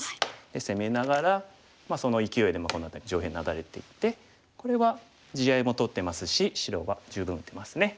攻めながらそのいきおいでこの辺り上辺ナダれていってこれは地合いも取ってますし白は十分打てますね。